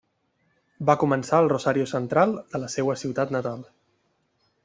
Va començar al Rosario Central de la seua ciutat natal.